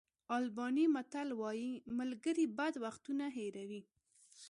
آلباني متل وایي ملګري بد وختونه هېروي.